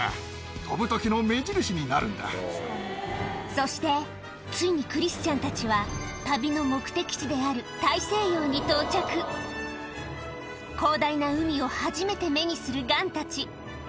そしてついにクリスチャンたちは旅の目的地である大西洋に到着広大な海を初めて目にするガンたち